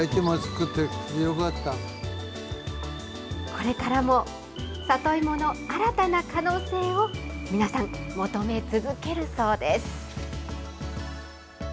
これからも、里芋の新たな可能性を皆さん、求め続けるそうです。